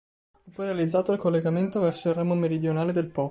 Fu poi realizzato il collegamento verso il ramo meridionale del Po.